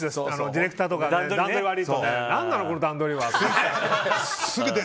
ディレクターとか段取り悪いよ何なのこの段取りはって。